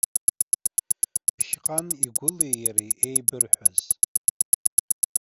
Ԥшьҟан игәылеи иареи еибырҳәаз.